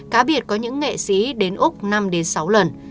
cá biệt có những nghệ sĩ đến úc năm sáu lần